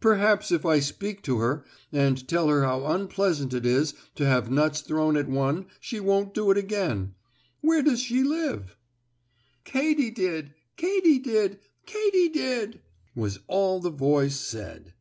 "Perhaps if I speak to her, and tell her how unpleasant it is to have nuts thrown at one she won't do it again. Where does she live?" "Katy did! Katy did! Katy did!" was all the voice said.